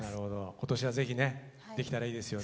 今年はぜひねできたらいいですよね。